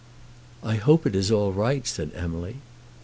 "I hope it is all right," said Emily.